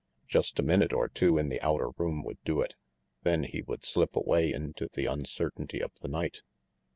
Just a minute or two in the outer room would do it; then he would slip away into the uncertainty of the night.